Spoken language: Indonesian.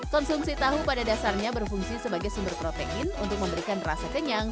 konsumsi tahu pada dasarnya berfungsi sebagai sumber protein untuk memberikan rasa kenyang